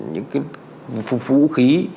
những phụ khí